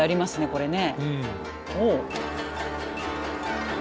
これね。